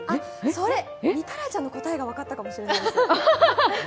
それ、御手洗ちゃんの答えが分かったかもしれない。